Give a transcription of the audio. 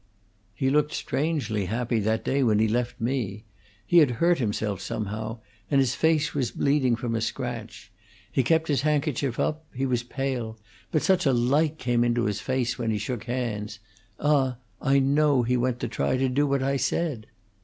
"He looked strangely happy that day when he left me. He had hurt himself somehow, and his face was bleeding from a scratch; he kept his handkerchief up; he was pale, but such a light came into his face when he shook hands ah, I know he went to try and do what I said!"